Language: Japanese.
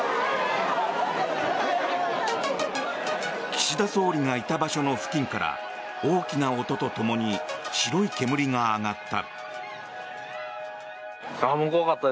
岸田総理がいた場所の付近から大きな音とともに白い煙が上がった。